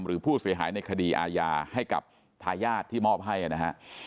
หรือผู้เสียหายในคดีอาญาให้กับทายาทที่มอบให้นะฮะ